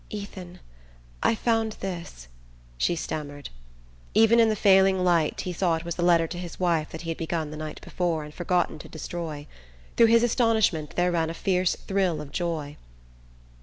"Ethan I found this," she stammered. Even in the failing light he saw it was the letter to his wife that he had begun the night before and forgotten to destroy. Through his astonishment there ran a fierce thrill of joy.